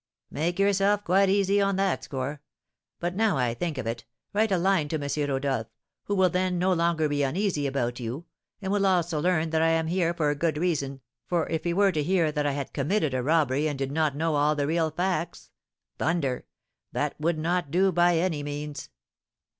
"Make yourself quite easy on that score. But now I think of it, write a line to M. Rodolph, who will then no longer be uneasy about you, and will also learn that I am here for a good reason, for if he were to hear that I had committed a robbery, and did not know all the real facts, thunder! That would not do by any means."